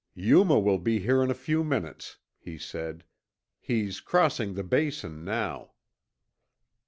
"Yuma will be here in a few minutes," he said. "He's crossing the Basin now."